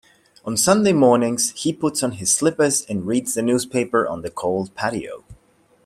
On Sunday mornings, he puts on his slippers and reads the newspaper on the cold patio.